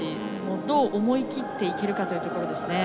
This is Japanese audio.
どう思い切っていけるかというところです。